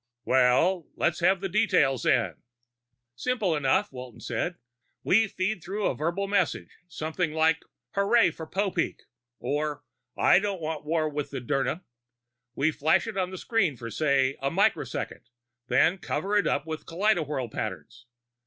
"Well ... let's have the details, then." "Simple enough," Walton said. "We feed through a verbal message something like Hooray for Popeek or I Don't Want War With Dirna. We flash it on the screen for, say, a microsecond, then cover it up with kaleidowhirl patterns.